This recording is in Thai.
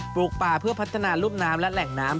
ลูกป่าเพื่อพัฒนารุ่มน้ำและแหล่งน้ำ